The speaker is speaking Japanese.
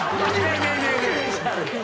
ねえねえねえ。